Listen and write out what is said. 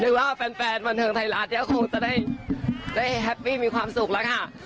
นึกว่าแฟนแฟนวันไทยราชเนี่ยคงจะได้ได้มีความสุขเลยค่ะ